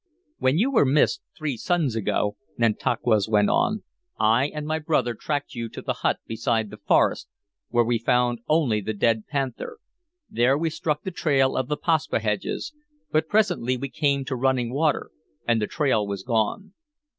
"When you were missed, three suns ago," Nantauquas went on, "I and my brother tracked you to the hut beside the forest, where we found only the dead panther. There we struck the trail of the Paspaheghs; but presently we came to running water, and the trail was gone."